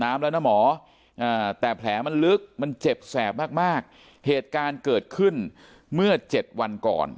มันเจ็บแสบมากเหตุการณ์เกิดขึ้นเมื่อ๗วันก่อน